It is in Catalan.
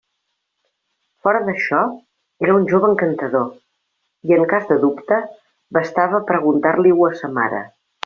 Fora d'això, era un jove encantador; i en cas de dubte, bastava preguntar-li-ho a sa mare.